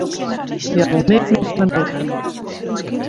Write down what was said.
Hja wol neat mear fan him witte.